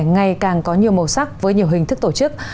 ngày càng có nhiều màu sắc với nhiều hình thức tổ chức